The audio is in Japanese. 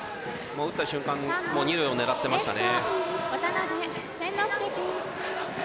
打った瞬間二塁を狙ってましたね。